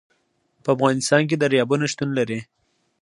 په افغانستان کې دریابونه شتون لري.